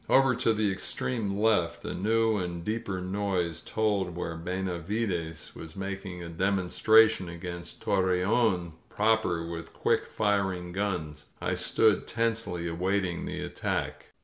Over to the extreme left a new and deeper noise told where Benavides was making a demonstration against Torreon proper with quick firing guns. I stood tensely awaiting the attack.